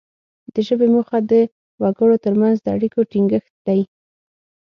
د ژبې موخه د وګړو ترمنځ د اړیکو ټینګښت دی